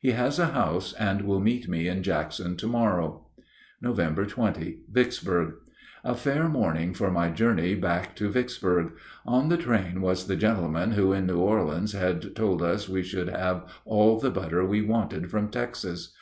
He has a house and will meet me in Jackson to morrow. Nov. 20. (Vicksburg.) A fair morning for my journey back to Vicksburg. On the train was the gentleman who in New Orleans had told us we should have all the butter we wanted from Texas.